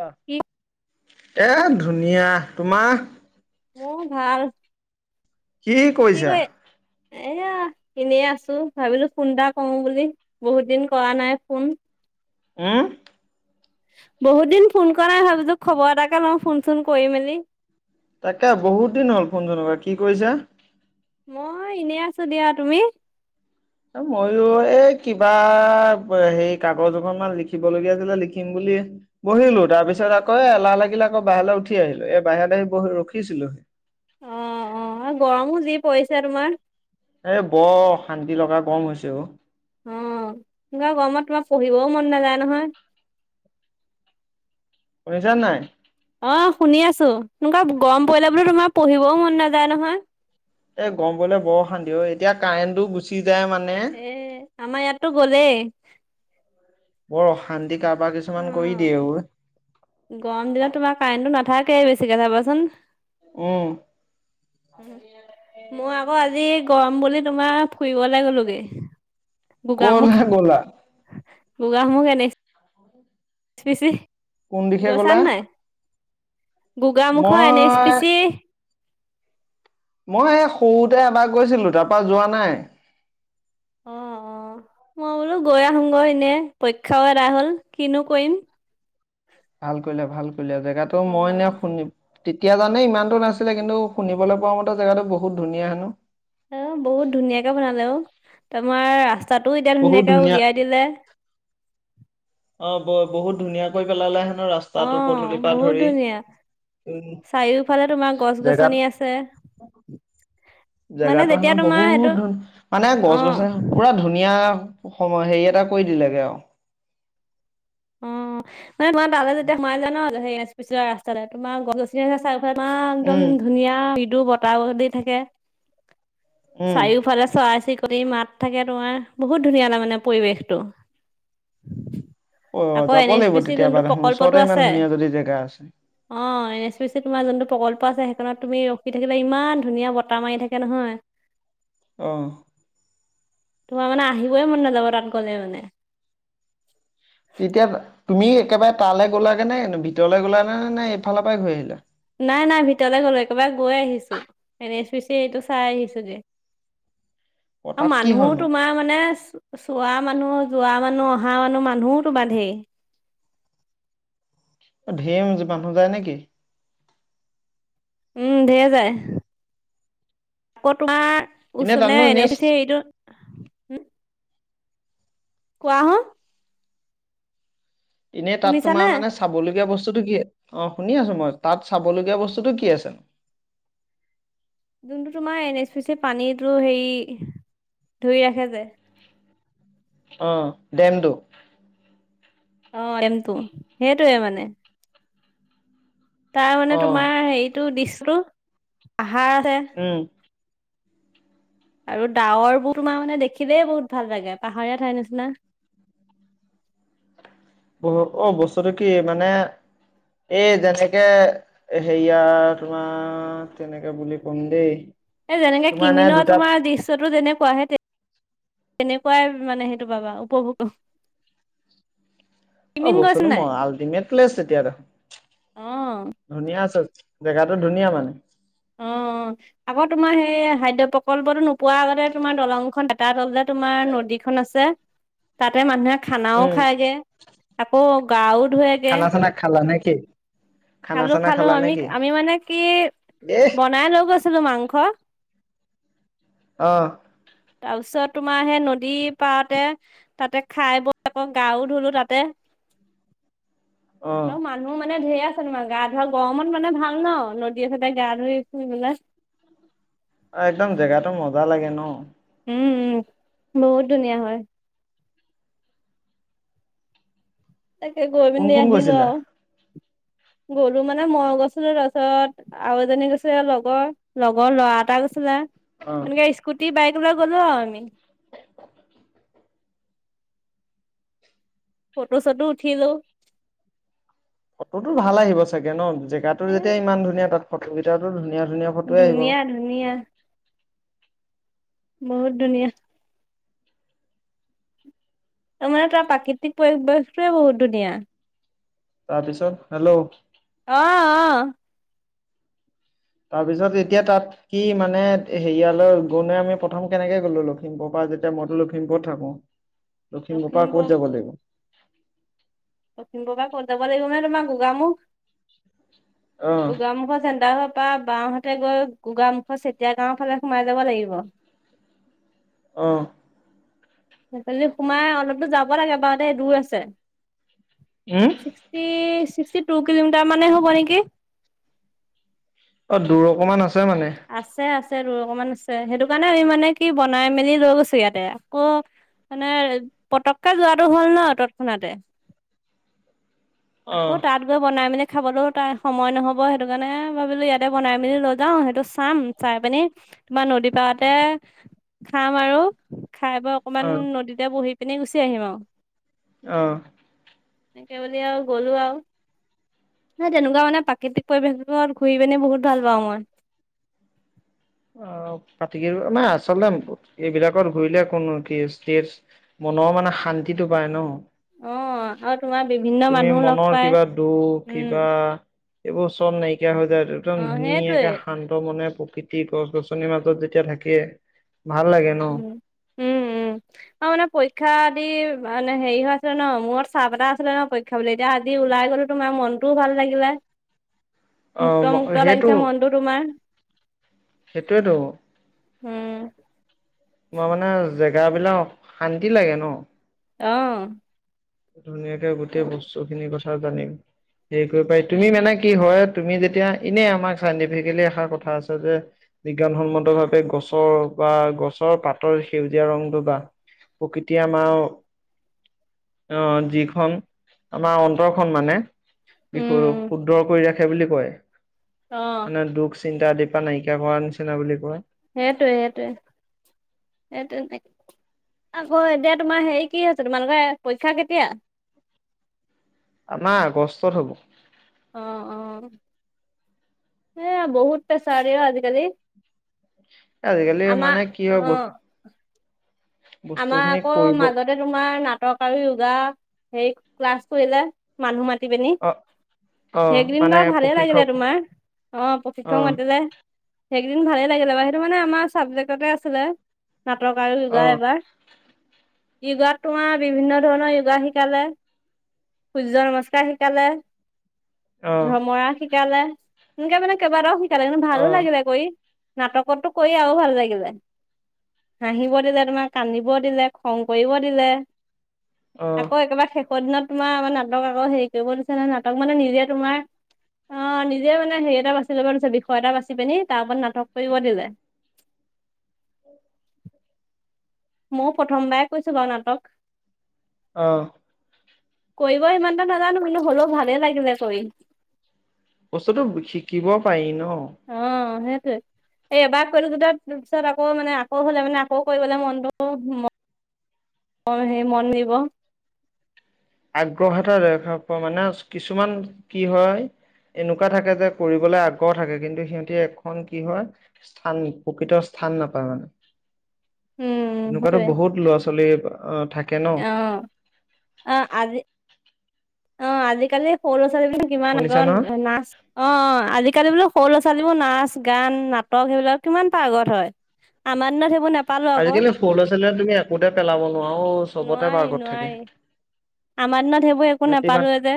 অহ, কি এ ধুনীয়া। তোমাৰ? মোৰ ভাল। কি কৰিছা? এয়া। এনেই আছোঁ ভাবিলোঁ ফোন এটা কৰো বুলি। বহুত দিন কৰা নাই ফোন। উম বহুত দিন ফোন কৰা নাই, ভাবিছোঁ খবৰ এটাকে লও ফোন চোন কৰি মেলি। তাকে বহুত দিন হ'ল ফোনচোন নকৰা কি কৰিছা? মই এনে আছো দিয়া তুমি? মইও এই কিবা হেৰি কাগজ এখনমান লিখিবলগীয়া আছিলে লিখিম বুলি বহিলো তাৰ পিছত আকৌ এলাহ লাগিলে আকৌ বাহিৰলৈ উঠি আহিলো এ বাহিৰততে আহি বহি ৰখিছিলোহি অ', অ' গৰমো যি পৰিছে তোমাৰ! এ বৰ অশান্তি লগা গৰম হৈছে অহ। উম, পুৰা গৰমত তোমাৰ পঢ়িবও মন নাযায় নহয়। শুনিছা নে নাই? অহ, শুনি আছোঁ। এনেকুৱা গৰম পৰিলে বোলো তোমাৰ পঢ়িবও মন নাযায় নহয়। এ গম পৰিলে বৰ অশান্তি অহ' এতিয়া কাৰেণ্টটো গুচি যায় মানে এ আমাৰ ইয়াতো গলেই খান্দি কাৰবাৰ অ কিছুমান কৰি দিয়ে অই গৰম দিনত তোমাৰ কাৰেণ্টটো নাথাকে বেছিকে চাবাচোন। উম, উম' মই আকৌ আজি গৰম বুলি তোমাৰ ফুৰিবলৈ গ'লোগে গোগামুখ ক'লে গ'লা? গোগামুখ শিশ্ৰী কোন দিশে গলা? গোগামুখৰ মুুখৰ এনেছ মই পিচি মই এই সৰুতে এবাৰ গৈছিলো তাৰ পৰা যোৱা নাই। অ', অ' মই বোলো গৈ আহোঁগৈ এনে পৰীক্ষাও এদাই হল কিনো কৰিম ভাল কৰিলা ভাল কৰিলা জেগাতটো মই উম নে শুনিম তেতিয়া জানে ইমানতো নাছিলে কিন্তু শুনিবলৈ পোৱা মতে জেগাটো বহুত ধুনীয়া হেনো! অ' বহুত ধুনীয়াকে বনালে অ' তোমাৰ ৰাস্তাটো এতিয়া বহুত ধুনীয়াকে ধুনীয়া উলিয়াই দিলে অ' ব বহুত ধুনীয়াকৈ পেলালে হেনো অ ৰাস্তাটো পদূলিৰ পৰা বহুত ধৰি ধুনীয়া উম চাৰিওফালে তোমাৰ গছ গছনি আছে। মানে জেগাতো যেতিয়া হেনো তোমাৰ বহুত সেইটো ধুন মানে গছ গছনি অ পুৰা ধুনীয়া সময় হেৰি এটা কৰি দিলেগে আৰু অ' মানে তোমাৰ তালে যেতিয়া সোমাই যা ন সেই এনেস্পিছি ৰাস্তালে তোমাৰ গছনি আছে মাৰ একদম উম ধুনীয়া দমৃদু বতাহ দি থাকে উম চাৰিও ফালে চৰাই চিৰিকতি প্ৰতি মাত থাকে তোমাৰ বহুত ধুনীয়া তাৰ মানে পৰিৱেশটো। অ আকৌ যাব এন এছ লাগিব পি চিৰ তেতিয়াবা যোনটো দেখোন ওচৰতে প্ৰকল্পটো ইমান আছে ধুনীয়া যদি জেগা আছে অ এনে তোমাৰ যোনটো প্ৰকল্প া আছে সেইখনত তুমি ৰখি থাকিবা ইমান ধুনীয়া বতাহ মাৰি থাকে নহয় আহ তোমাৰ মানে আহিবই মন নাযাব তাত গলে মানে তেতিয়া তুমি একেবাৰে তালৈ গ'লাাকে নে ভিতৰলৈ গ'লা নে নে নে এইফালৰ পৰাই ঘৈ আহিলা নাই নাই ভিতৰলে গ'লো একেবাৰে গৈ আহিছো এন এছ পি চি এইটো চাই আহিছো যে অ', আৰু তাত কি মানুহ হয়নো তোমাৰ মানে চোৱা মানুহ যোৱা মানুহ অা হা মনো মানুহোওতো বান্ধে ধিম মানুহ যায় নেকি উম ধঢেৰ যায় আকৌ তোমাৰ এনে উচব তাতনো নাই এনে হেটো উম কোৱা হ এনেই তাত তোমাৰ শুনিছানে মানে চাবলগীয়া বস্তুতটো কি অ শুনি আছো মই তাত চাবলগীয়া বস্তুতটো কি আছে যোনটো তোমাৰ এন এছ পি পানীতটো হেৰি ধৰি ৰাখে যে অ ডেমটো অ এমটোো সেইটোে মানে তাৰ মানে অ', তোমাৰ হেৰিটো দিছো আহাৰ আছে। উম, আৰু ডাৱৰবোৰ তোমাৰ মানে দেখিলেই বহুত ভাল জাগে পাহাৰীয়া ঠাইৰ নিচিনা। [inaudible] বহু অ বস্তুটো কি মানে এ যেনেকে হেৰিয়া তোমাৰ তেনেকে বুলি কম দেই এ যেনেকে তোমাৰ এনে কিমিনৰ দুটা তোমাৰ দৃশ্যটোো যেনেকুৱাহে তেনেকুৱাই মানে সেইটো বাবা উপভোগ। অ', কিমিন গৈছে বস্তুটোো নাই মই আল্টিমেট তেতিয়া দেখোন অ', ধুনীয়া আছে। জেগটো ধুনীয়া মানে। অ', আকৌ তোমাৰ সেই খাদ্য প্ৰকল্পটো নোপোৱাৰ আগতে তোমাৰ দলংখন। তাত হললে তোমাৰ নদীখন আছে তাতে মানুহে। খানাও উম। খাইগে আকৌ গাঁওত। খালাচ না খালা নেকি। খানা খালো চানা খালো খালা আমি আমি মানে কি এহ বনাই লৈ গৈছো। ছিলো মাংস। অ'। তাৰ পিছত তোমাৰ সেই নদী পাৰতে তাতে খাই বৈ আকৌ গাও ধুলো তাতে। অ', আৰু মানুহ মানে ধেয়া। তোমাৰ গা ধোৱা গৰমত মানে ভাল ন নদীয়ে চতে গা ধুই থুই পেলাই। অ', একদম জেগাতটো মজা লাগে ন। উম, উম বহুত ধুনীয়া হয়। তাকে গৈ কোন পিনি কোন আহিলো গৈছিলা? আৰু। গ'লো মানে মই গৈছিলো তাৰপিছত আৰু এজনী গৈছিল লগৰ লগৰ ল'ৰা এটা না অ', এনেকে স্কুটি বাইক বা গ'লো আমি। ফ'টটো চটো উঠি লওঁ। ফটোতো ভাল আহিব চাগে ন জেগাতো এ যেতিয়া ইমান ধুনীয়া তাত ফটো কেইটা ধুনীয়া। ধুনীয়া ফটোয়ে আহিব। ধুনীয়া ধুনীয়া বহুত ধুনীয়া। তাৰ মমানে তাৰ প্ৰাকৃতিক পৰি বেশটোৱে বহুত ধুনীয়া। তাৰপিছত হেল্ল'। আহ আহ। তাৰ পিছত এতিয়া তাত কি মানে হেৰিয়ালৈ গ ন আমি প্ৰথম কেনেকে গ'লো লখিমপুৰ পৰা। তেতিয়া মইতো লখিমপুৰত থাকো, লখিমপুৰ পৰা ক'ত যাব লাগিব। লখিমপুৰ পৰা কত যাব লাগিব মানে তোমাৰ গগা মুখ। অ', গগা মুখ জন্দা হ। তাৰ বওঁহাতে গৈ গগা মুখত চেতিয়া গাওৰ ফালে সোমাই যাব লাগিব। অ'। সেইফালে সোমাই অলপ দো যাব লাগে দে দূৰ আছে। উম, ছিক্সথি ছিক্স। থু কিলোমিটাৰ মানে হব নেকি। অ', দূৰ অকমান আছে। মানে। আছে আছে। আৰু অকমান আছে সেইটো কাৰণে কি মানে কি বনাই মেলি লৈ গৈছো ইয়াতে আকৌ। মানে পতকে যোৱাটো হ'ল ন তৎক্ষণাতে। আকৌ অ', তাত গৈ বনাই মানে। খাবলৈও তাই সময় নহব সেইটো কাৰণে ভাবিলোঁ ইয়াতে বনাই মেলি লৈ যাওঁ সেইটো। চাম চাই পিনি তোমাৰ নদী পাৰতে খাম আৰু। খাই বৈ অকমান অ', নদীতে বহি পিনে গুচি আহিম আৰু আহ তেতিয়া হ'লেও গলো আৰু ন তেনেকুৱা মানে প্ৰাকৃতিক পৰিৱেশ ঘূৰি পেনে বহুত ভাল পাওঁ মই অ পতি মানে আচলতে এইবিলাকত ঘূৰিলে কোনো কেছ তেজ মনৰ মানে শান্তিটো পায় ন অ আৰু তোমাৰ বিভিন্ন তুমি মানুহ লগ মনৰ পাই কিবা দুখ উম কিবা। এইবোৰ চল নাইকিয়া হৈ যায়টো একদম অ সেইটোৱে ধুনীয়াকে শান্ত মনে প্ৰকৃতি। গছ-গছনিৰ মাজত যেতিয়া থাকে। ভাল লাগে ন উম, উম, উম আৰু মানে পৰীক্ষা আদি। মানে হেৰি হৈ আছিলে ন মোৰ চাহ এটা আছিলে ন পৰক্ষা বুলি এতিয়া আজি ওলাই গ'ল তোমাৰ মনতটোও ভাল লাগিলে। মুক্ত অ', মুক্ত লাগিছে মনটো তোমাৰ। সেইটোইটো উম তোমাৰ মানে জেগা বিলাক শান্তি লাগে ন আহ ধুনীয়াকে গোটেই বস্তু খিনি কথা জানিম হে কৰিব পাই তুমি মানে উম, কি হয়? তুমি যেতিয়া এনেই আমাক চাইণ্টিফিকেলি এষাৰ কথা আছে যে বিজ্ঞানসন্মত ভাৱে গছৰ বা গছৰ পাতৰ সেউজীয়া ৰং দুটা প্ৰকৃতিয়ে আমাৰ অ [inaudible] আহ যিখন আমাৰ অন্তৰখন মানে বি উম, শুদ্ধ কৰি ৰাখে কি বুলি কয় অ'। মানে দুখ চিন্তা আদিৰ পৰা নাইকিয়া কৰাৰ নিচিনা বুলি কয় সেইটোৱে সেইটোৱে সেইটোৱে নাই আকৌ এতিয়া তোমাৰ হেৰি কি আছে তোমালোকে পৰীক্ষা কেতিয়া? আমাৰ আগষ্টত হব অ অ এ বহুত পেছাৰে আজিকালি। আজিকালি আমা মানে কি অ হয় বস্তু আমাৰ বস্তুখিনি আকৌ কৰিব মাজতে তোমাৰ নাটক আৰু য়োগা সেই ক্লাছ কৰিলে মানুহ মাতিপিনী। অ অ সেই ইদিন মানে বা ভালেই লাগিলে প্ৰশিক্ষক তোমাক অ প্ৰশিক্ষক মাতিলে সেই কেইদিন ভালেই লাগিলে সেইটো মানে আমাৰ ছাবজেক্টতে আছিলে নাটক আৰু অ যোগা এবাৰ য়োগাত তোম বিভিন্ন ধৰণৰ য়োগা শিকালে, সূৰ্য নমস্কাৰ শিকালে। অ ভ্ৰমৰা শিকালে সনেকা মানে কেইবাটাও শিকালে কিন্তু ভালো অ', লাগিলে কৰি। নাটকটো কৰি আৰু ভাল লাগিল হাঁহিব দিলে তোমাক কান্দিব দিলে খং কৰিব দিলে অ', আকৌ একেবাৰে শেষ ক দিনত তোমাৰ আাৰ নাটক আকৌ হেৰি কৰিব নিচাৰে নে নাটক মানে নিজে তোমাৰ অ নিজে মানে হেৰি এটা বাচি লব পিছে বিষয় এটা বাচি পিনি তাৰ ওপৰত নাটক কৰিব দিলে [unintelligible] ময় প্ৰথমবাৰ কৈছো ব নাটক অ কৰিব ইমান এটা নাজানো কিন্তু হলেও ভালে লাগিলে কৰি বস্তুতটো শিকিব পাৰিম অ সেইটো এ এবাৰ কৰিলো দু তাত তাৰপিছত আকৌ মানে আকৌ হলে মানে আকৌ কৰিবলৈ মনটো অ সেই মন দিব আগ্ৰহ এটা দেখা পোৱা মানে কিছুমান কি হয় এনেকুৱা থাকে যে কৰিবলৈ আগ্ৰহ থাকে কিন্তু সিহঁতি এখন কি হয় স্থান প্ৰকৃত স্থান ্থান নাপায় মানে [unintelligible] উম তেনেকুৱাতো সেইটোৱে বহুত ল'ৰা ছোৱালী। থাকে ন অ', অ', আজি। অ', আজিকালি সৰু ল' ছোৱালী বু কিমান শুনিছা নহয়? আ নাচ অ আজিকালি বোলো। সৰু ল'ৰা ছোৱালীবোৰ নাচ গান নাটক সেইবিলাক কিমান পাৰ্গত হয় আমাৰ দিনত সেইবোৰ ন। আজিকালি হলছে তুমি একোতে পেলাব নোৱাৰো চবতে নোৱাৰি পাৰ্গত থাকে। নোৱাৰি আমাৰ দিনত সেইবোৰ একো সিহঁতি ইমান নাপালোয়ে যে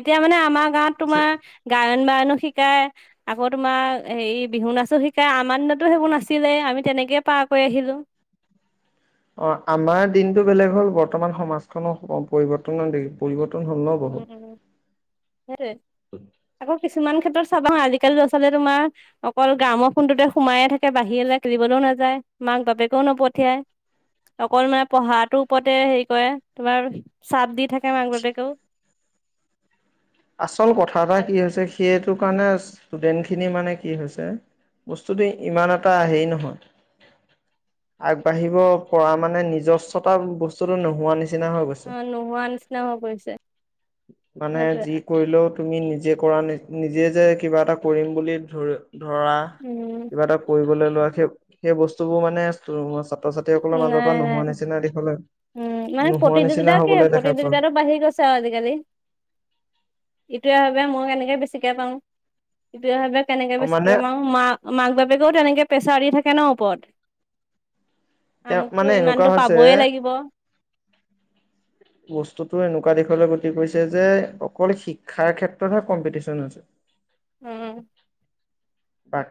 এতিয়া মানে আমাৰ গাঁৱত তোমাৰ গায়ন বায়নো শিকা। শ আকৌ তোমাৰ হেৰি বিহু নাচো শিকাই আমাৰ দিনতো সেইবো নাছিলে আমি তেনেকে পাৰ কৰি পাহিলা অ আমাৰ দিনতটো বেলেগ হল বৰ্তমান সমাজখনো পৰিৱৰ্তন দে পৰিৱৰন উম উম সেই আকৌ কিছুমান ক্ষেত্ৰত চাবা আজিকালি ল'ৰা ছোৱালীয়ে তোমাৰ অকল গ্ৰামৰ ফোনটোতে সোমাইে থাকে বাহিৰলৈ কেলিবলৈও নাযায় মাক বাপেকেও নপঠিয়াই অকল মানে পঢ়াটোৰ ওপৰতে হেৰি কৰে তোমাৰ চাপ দি থাকে মাক বাপেকেও। আচল কথা এটা কি হৈছে সেইটো কাৰণে ষ্টুডেন্ট খিনি মানে কি হৈছে। বস্তুটো ইমান এটা আহেই নহয়। আগবাঢ়িব পৰা মানে নিজস্বতা বস্তুতো নোহোৱা নিচিনা। নিচিনা হৈ গৈছে অ' নোহোৱা নিচিনা হৈ পৰিছে মানে সেইটোৱে যি। কৰিলেও তুমি নিজে কৰা নিজে যে কিবা এটা কৰিম বুলি ধৰি। ধৰা উম। কিবা এটা কৰিবলৈ লোৱা সেই সেই বস্তুবোৰ মানে। ছাত্ৰ ছাত্ৰীসকলৰ মাজৰ নাই পৰা নাই নোহোৱা নিচিনা দেশলে। উম, মানে প্ৰতিযোগিতাকে পাওঁ প্ৰতিযোগিতাটো বাঢ়ি গৈছে আৰু আজিকালি। ইটয়া ভাৱে মই কেনেকে বেছিকে পাওঁ ইটয়া ভাৱাবে। কেনেকে অ বেছ মানে মাক মাক বাপেকেও তেনেকে প্ৰেছাৰ দি থাকে ন ওপৰত। তেওঁ মানে আমুকতটো এনেকুৱা ইমানতো পাবই হৈছে লাগিব। বস্তুতটো এনেকুৱা দিশলৈ গতি কৰিছে যে অকল শিক্ষাৰ ক্ষেত্ৰতহে কম্পিটিশন হৈছে। উম।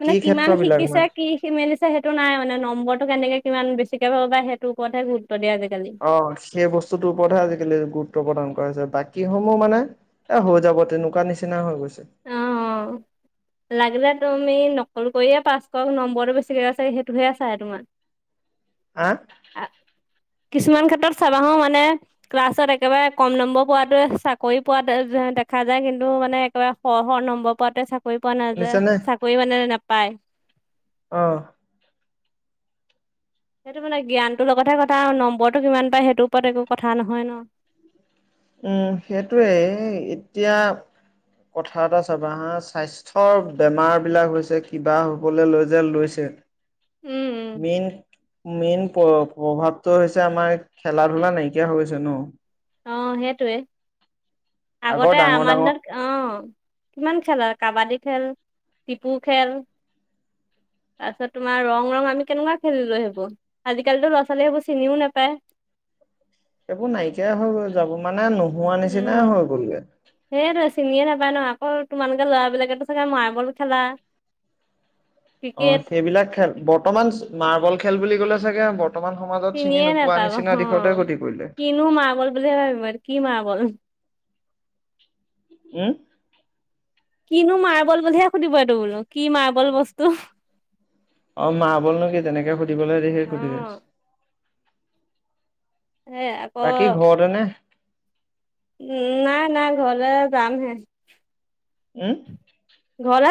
মানে ক্ষেত্ৰ কিমান বিলাক শিকিছে মানে কি মেলিছে সেইটো নাই মানে নম্বৰটো কেনেকে কিমান বেছি। চিকে পাবা সেই ওৰতে। অ', সেই বস্তু তৰ ওপৰতহে আজিকালি গুৰুত্ব প্ৰদান। বাকী সমূহ মানে এ হৈ যাব তেনেকুৱা নিচিনা হৈ গৈছে। অ', লাগল তমি ন। কল কৰিয়ে পাছ কৰক নম্বৰটো বেছিকৈ আছে সেইটোহে আছে তোমাৰ। হা? কিছুমান ক্ষেত্ৰত চাবা হো মানে ক্লাছত একেবাৰে কম নম্বৰ পোৱাাতোৱে চাকৰি পোৱা। দেখা যায় কিন্তু মানে। একাৰে শ শ নম্বৰ পাতে চাকৰি পোৱা নাযায় শুনিছানে চাকৰি মানে নাপায়। আহ। সেইটো মানে জ্ঞানটোৰ লগতহে কথা আৰু নম্বৰটো কিমান পায় সেইটোৰ ওপৰত একো কথা নহয় ন। উম, সেইটোৱে এতিয়া। কথা এটা চাবা হা স্বাস্থ্যৰ বেমাৰ বিলাক হৈছে কিবা হবলৈ লৈ যে লৈছে। উম উম। মেইন মেইন প্ৰভাৱটো হৈছে আমাৰ খেলা ধূলা নাইকিয়া হৈ গৈছে ন অ সেইটোৱে আগৰ আগতে ডাঙৰ আমাৰ ডাঙৰ দিনত অ কিমান খেলত কাবাডী খেল টিপু খেল তাৰপিছত তোমাৰ ৰং ৰং আমি কেনেকুৱা খেলিলো সেইবোৰ আজিকালিো ল'ৰা ছোৱালীয়ে সেইবোৰ চিনিও নোপায় [inaudible] এইবোৰ নাইকিয়া হৈ গল যাব মানে নোহোৱা নিচিনা হৈ গলে এইেইটোো চিনিয়ে নাপায় ন আকৌ তোমালোকে লৰাবিলাকেতো চাগে মাৰ্বল খেলা অ ক্ৰিকেট সেইবিলাক খেল বৰ্তমান মাৰ্বল খেল বুলি ক'লে চাগে বৰ্তমান সমাজত চিনি চিনিয়ে নোপোৱা নাপাব অ নিচিনা দিশতে গতি কৰিলে কিনো মাৰ্বল বুলিহে ভাবিব কি মাৰ্বল উম কিনো মাৰ্বল বুলিহে সুধিব এইটো বোলো কি মাৰ্বল বস্তু অ মা ব'লনো কি তেনেকে সুধিবলৈ দ সে অ সুধিৈছে সেই আকৌ বাকী ঘৰ নে উম নাই নাই ঘৰলে যামহে উম ঘৰত